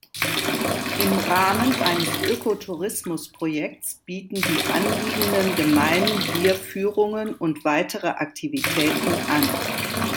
Im Rahmen eines Ökotourimus-Projekts bieten die anliegenden Gemeinden hier Führungen und weitere Aktivitäten an.